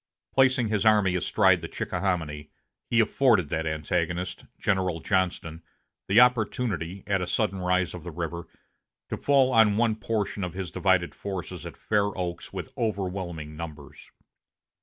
Placing his army astride the Chickahominy, he afforded that antagonist, General Johnston, the opportunity, at a sudden rise of the river, to fall on one portion of his divided forces at Fair Oaks with overwhelming numbers.